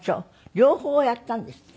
両方やったんですって？